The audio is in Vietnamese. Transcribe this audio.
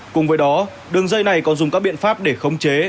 cùng với đó đường dây này còn dùng các biện pháp để khống chế